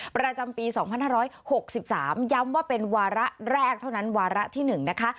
ประจำปี๒๕๖๓ย้ำว่าเป็นวาระแรกเท่านั้นวาระที่๑นะคะ